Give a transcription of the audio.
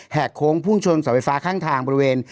โค้งพุ่งชนเสาไฟฟ้าข้างทางบริเวณ